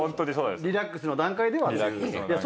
リラックスの段階ではっていう。